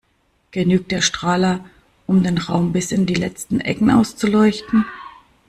Genügt der Strahler, um den Raum bis in die letzten Ecken auszuleuchten?